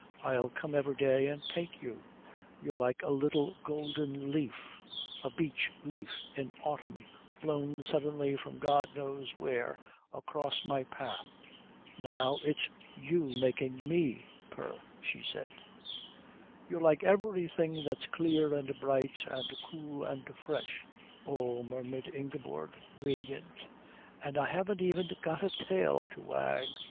I'll come every day and paint you. You're like a little golden leaf, a beech leaf in autumn blown suddenly from God knows where across my path." "Now it's you making me purr," she said. "You're like everything that's clear and bright and cool and fresh." "Oh," murmured Ingeborg, radiant, "and I haven't even got a tail to wag!"